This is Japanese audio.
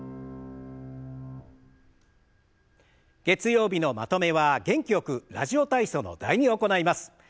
月曜日のまとめは元気よく「ラジオ体操」の「第２」を行います。